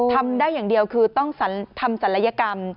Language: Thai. ทำได้อย่างเดียวคือต้องทำศัลยกรรม